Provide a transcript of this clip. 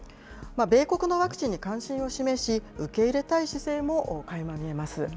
米国のワクチンに関心を示し、受け入れたい姿勢もかいま見えます。